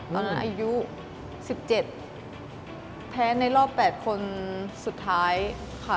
ตอนนั้นอายุ๑๗แพ้ในรอบ๘คนสุดท้ายค่ะ